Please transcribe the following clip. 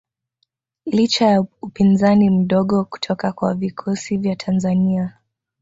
Licha ya upinzani mdogo kutoka kwa vikosi vya Tanzania